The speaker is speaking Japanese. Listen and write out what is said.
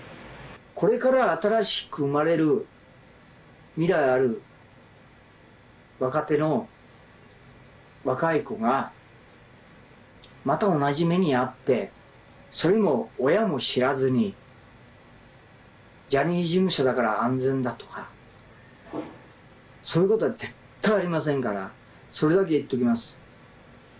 これから新しく生まれる未来ある若手の若い子が、また同じ目に遭って、それも親も知らずに、ジャニーズ事務所だから安全だとか、そういうことは絶対ありませんから、それだけは言っておきます。